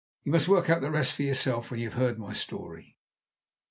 You must work out the rest for yourself when you have heard my story.